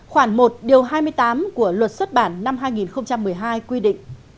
khoảng một điều hai mươi tám của luật xuất bản năm hai nghìn một mươi hai quy định